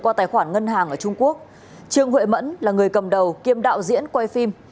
qua tài khoản ngân hàng ở trung quốc trương huệ mẫn là người cầm đầu kiêm đạo diễn quay phim